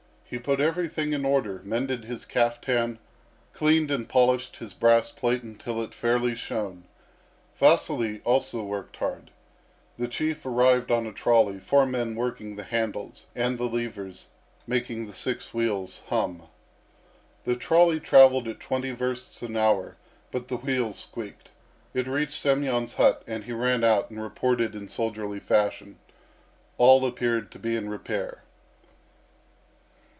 He put everything in order, mended his kaftan, cleaned and polished his brass plate until it fairly shone. Vasily also worked hard. The Chief arrived on a trolley, four men working the handles and the levers making the six wheels hum. The trolley travelled at twenty versts an hour, but the wheels squeaked. It reached Semyon's hut, and he ran out and reported in soldierly fashion. All appeared to be in repair.